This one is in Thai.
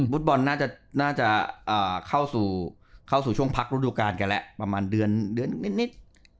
ฟุตบอลน่าจะเข้าสู่ช่วงพักฤดูการกันแล้วประมาณเดือนนิด